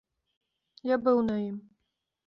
Я быў на ім.